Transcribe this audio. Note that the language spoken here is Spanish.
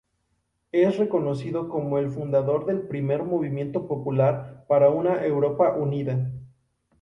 Es reconocido como el fundador del primer movimiento popular para una Europa unida.